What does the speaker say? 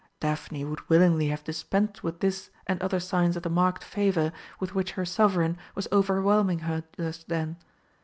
Daphne would willingly have dispensed with this and other signs of the marked favour with which her Sovereign was overwhelming her just then.